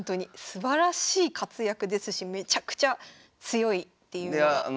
すばらしい活躍ですしめちゃくちゃ強いっていうのは。